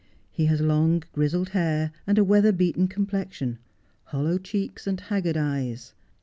He has long grizzled hair, and a weather beaten complexion, hollow cheeks, and haggard eyes.